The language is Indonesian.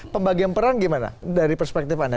pembagian perang gimana dari perspektif anda